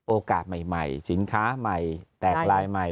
โอกาสใหม่สินค้าใหม่แตกลายใหม่